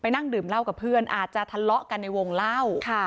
นั่งดื่มเหล้ากับเพื่อนอาจจะทะเลาะกันในวงเล่า